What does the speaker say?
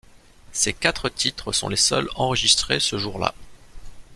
Ces quatre titres sont les seuls enregistrés ce jour-là.